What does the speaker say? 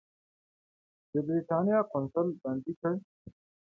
د برېټانیا قونسل بندي کړ.